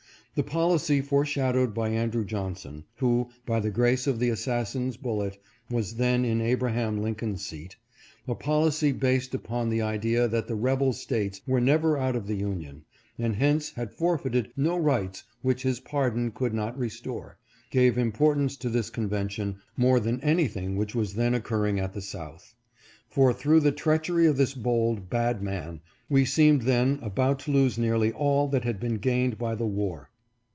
The policy foreshadowed by Andrew Johnson (who, by the grace of the assassin's bullet, was then in Abraham Lincoln's seat) — a policy based upon the idea that the rebel States were never out of the Union, and hence had forfeited no rights which his pardon could not restore — gave importance to this convention, more than anything 472 NATIONAL CONVENTION. which was then occurring at the South ; for through the treachery of this bold, bad man, we seemed then about to lose nearly all that had been gained by the war.